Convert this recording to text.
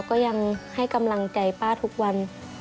ก็ยังให้กำลังใจป้าทุกวัน